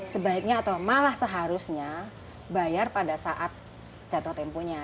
sebaiknya atau malah seharusnya bayar pada saat jatuh temponya